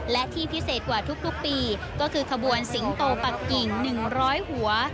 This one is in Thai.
และที่พิเศษกว่าทุกปีก็คือขบวนสิงโตปักกิ่ง๑๐๐หัว